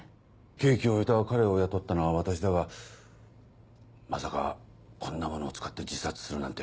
刑期を終えた彼を雇ったのは私だがまさかこんなものを使って自殺するなんて。